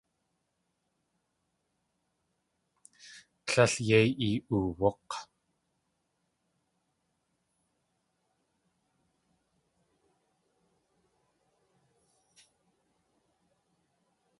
Líl yéi ee.oowúk̲!